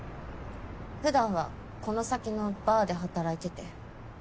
普段はこの先のバーで働いてて。